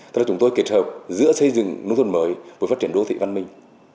tức là chúng tôi kết hợp giữa xây dựng nông thôn mới với phát triển đô thị văn minh